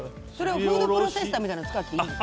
フードプロセッサーみたいなの使ってもいいんですか？